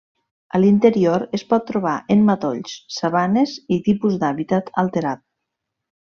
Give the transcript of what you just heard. A l'interior es pot trobar en matolls, sabanes i tipus d'hàbitat alterat.